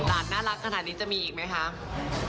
หลานน่ารักขนาดนี้จะมีอีกไหมคะ